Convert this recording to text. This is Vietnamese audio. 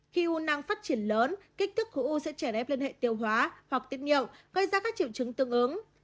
khi u năng phát triển lớn kích thước của u sẽ trẻ đẹp lên hệ tiêu hóa hoặc tiết nghiệm gây ra các triệu trứng tương ứng